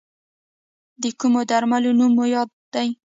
د کومو درملو نوم مو په یاد دی؟